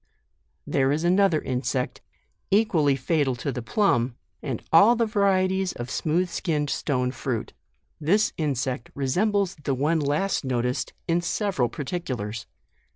There is another insect, equally fatal to the plum, and all the varieties of smooth skinned stone fruit. This insect resembles the one last noticed, in several particulars.